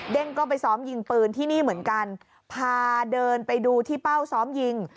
ก็ไปซ้อมยิงปืนที่นี่เหมือนกันพาเดินไปดูที่เป้าซ้อมยิง